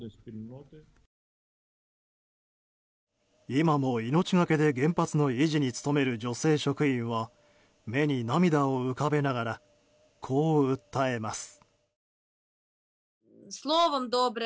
今も命がけで原発の維持に努める女性職員は目に涙を浮かべながらこう訴えます。